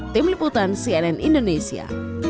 tim liputan cnn indonesia